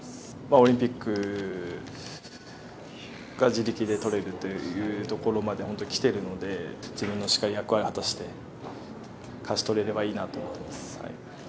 オリンピックが自力で取れるというところまで本当にきてるので、自分のしっかり役割を果たして、勝ち取れればいいなと思っています。